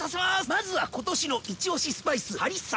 まずは今年のイチオシスパイスハリッサ！